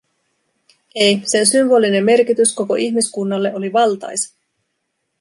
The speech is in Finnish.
Ei, sen symbolinen merkitys koko ihmiskunnalle oli valtaisa.